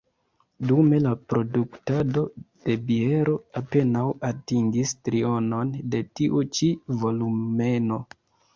Dume, la produktado de biero apenaŭ atingis trionon de tiu ĉi volumeno.